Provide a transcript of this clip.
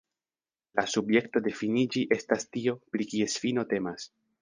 La subjekto de finiĝi estas tio, pri kies fino temas.